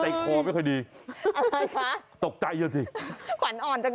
ใจควรไม่ค่อยดีอะไรฟะ